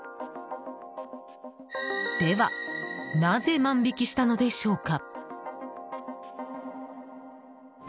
では、なぜ万引きしたのでしょうか。